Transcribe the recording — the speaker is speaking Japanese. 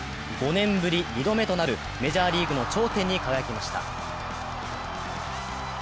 ５年ぶり２度目となるメジャーリーグの頂点に輝きました。